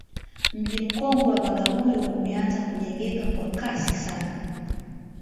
mji mkongwe wa bagamoyo umeanza kujengeka kwa kasi sana